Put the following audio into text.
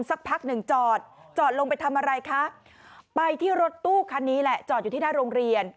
สักพักหนึ่งจอดจอดลงไปทำอะไรคะไปที่รถตู้คันนี้แหละจอดอยู่ที่หน้าโรงเรียน